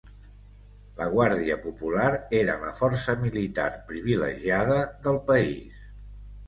La Guàrdia Popular era la força militar privilegiada del país.